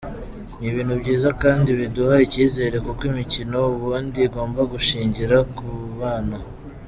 Ni ibintu byiza kandi biduha icyizere kuko imikino ubundi igomba gushingira ku bana.